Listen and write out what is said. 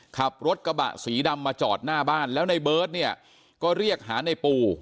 ขับรถกระบะสีดำมาจอดหน้าบ้านแล้วในเบิร์ตเนี่ยก็เรียกหาในปู